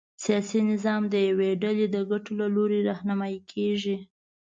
سیاسي نظام د یوې ډلې د ګټو له لوري رهنمايي کېږي.